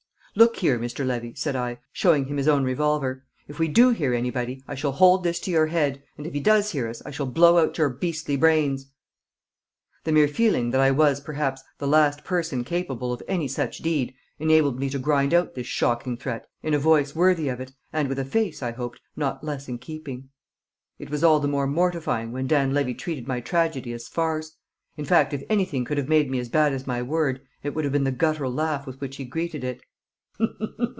"Look here, Mr. Levy," said I, showing him his own revolver, "if we do hear anybody, I shall hold this to your head, and if he does hear us I shall blow out your beastly brains!" The mere feeling that I was, perhaps, the last person capable of any such deed enabled me to grind out this shocking threat in a voice worthy of it, and with a face, I hoped, not less in keeping. It was all the more mortifying when Dan Levy treated my tragedy as farce; in fact, if anything could have made me as bad as my word, it would have been the guttural laugh with which he greeted it.